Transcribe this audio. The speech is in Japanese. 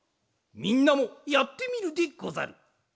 みんなもやってみるでござる。